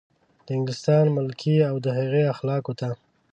د انګلستان ملکې او د هغې اخلافو ته.